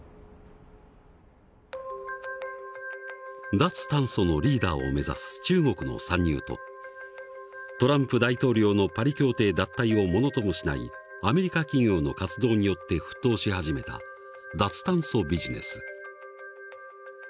脱炭素のリーダーを目指す中国の参入とトランプ大統領のパリ協定脱退を物ともしないアメリカ企業の活動によって沸騰し始めた脱炭素ビジネス。